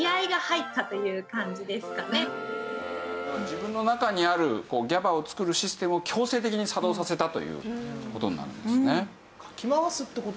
自分の中にあるＧＡＢＡを作るシステムを強制的に作動させたという事になるんですね。